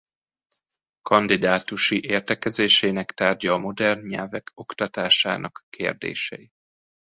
Kandidátusi értekezésének tárgya a modern nyelvek oktatásának kérdései.